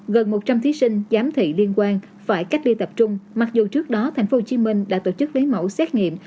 gần một trăm linh thí sinh giám thị liên quan phải cách ly tập trung mặc dù trước đó tp hcm đã tổ chức lấy mẫu xét nghiệm